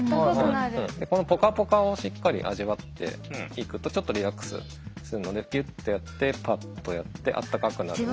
このポカポカをしっかり味わっていくとちょっとリラックスするのでギュッてやってパッとやってあったかくなる。